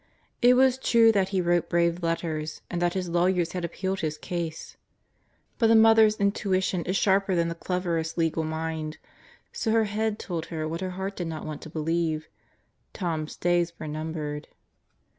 It was true that he wrote brave letters and that his lawyers had appealed his case. But a mother's intuition is sharper than the cleverest legal mind; so her head told her what her heart did not want to believe: Tom's days were numbered.